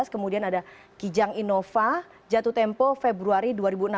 kemudian ada kijang innova jatuh tempo februari dua ribu enam belas